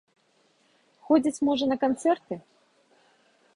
Ходзяць, можа, на канцэрты?